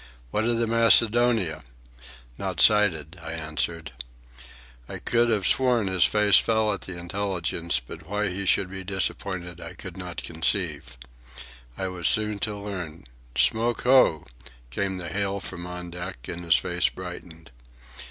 "What of the Macedonia?" "Not sighted," I answered. I could have sworn his face fell at the intelligence, but why he should be disappointed I could not conceive. I was soon to learn. "Smoke ho!" came the hail from on deck, and his face brightened.